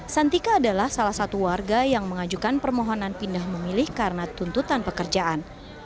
santika adalah salah satu warga yang mengajukan permohonan pindah memilih karena tuntutan pekerjaan